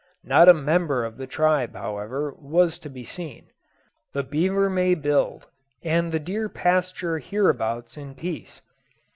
Not a member of the tribe, however, was to be seen; the beaver may build and the deer pasture hereabouts in peace.